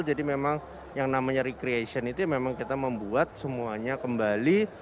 memang yang namanya recreation itu memang kita membuat semuanya kembali